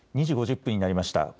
２時５０分になりました。